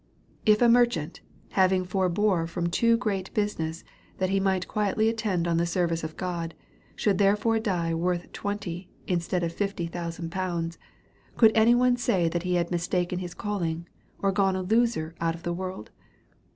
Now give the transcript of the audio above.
If a merchant, having forbore from too great busi ness, that he might quietly atiend on the service of God, should therefore die worth twenty, instead of fifty thousand pounds, could any one say that he had mistaken his calling, or gone a loser out of the world?